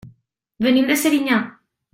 Venim de Serinyà.